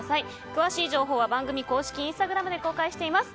詳しい情報は番組公式インスタグラムで公開しています。